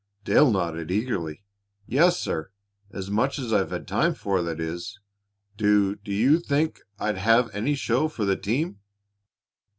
Dale nodded eagerly. "Yes, sir; as much as I've had time for, that is. Do do you think I'd have any show for the team?"